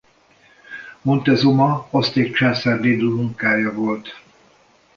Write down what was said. Moctezuma azték császár dédunokája volt.